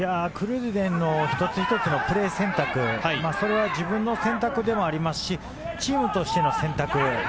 クルーデンの一つ一つのプレー選択、それは自分の選択でもありますし、チームとしての選択。